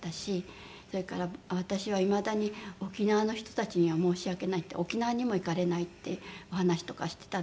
それから「私はいまだに沖縄の人たちには申し訳ない」って「沖縄にも行かれない」ってお話とかしてたんです。